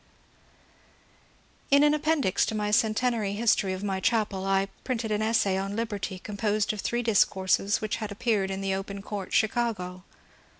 D. In an appendix to my centenary history of my chapel I printed an essay on " Liberty," composed of three discourses which had appeared in " The Open Court," Chicago.